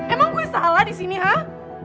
emang gue salah di sini ah